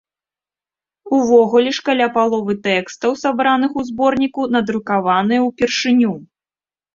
Увогуле ж каля паловы тэкстаў, сабраных у зборніку, надрукаваныя ўпершыню.